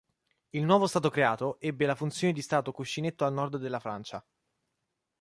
Il nuovo stato creato ebbe la funzione di stato cuscinetto a nord della Francia.